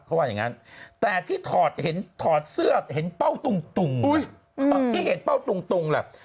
เขาว่าอย่างนั้นแต่ที่ถอดเห็นถอดเสื้อเห็นเป้าตุงที่เห็นเป้าตรงแหละ